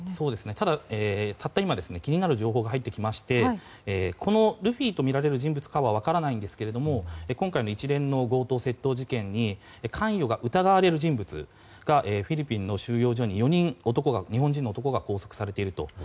ただ、たった今、気になる情報が入ってきましてルフィとみられる人物かは分からないんですけれども今回の一連の強盗・窃盗事件に関与が疑われる人物がフィリピンの収容所に４人日本人の男が拘束されていると。